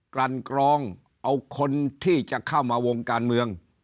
ลั่นกรองเอาคนที่จะเข้ามาวงการเมือง